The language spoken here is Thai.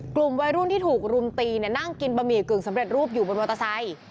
กลุ่มวัยรุ่นที่ถูกรุมตีนั่งกินบะหมี่กึ่งสำเร็จรูปอยู่บนมอเตอร์ไซค์